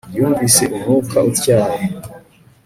Yumvise umwuka utyaye